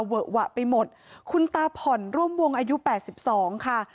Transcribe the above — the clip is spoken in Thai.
เวอะหวะไปหมดคุณตาผ่อนร่วมวงอายุ๘๒ค่ะ